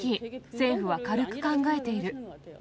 政府は軽く考えている。